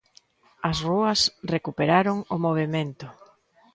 As rúas recuperaron o movemento.